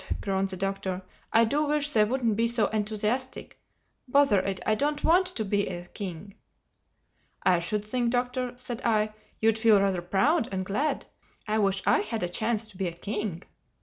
groaned the Doctor, "I do wish they wouldn't be so enthusiastic! Bother it, I don't want to be a king!" "I should think, Doctor," said I, "you'd feel rather proud and glad. I wish I had a chance to be a king."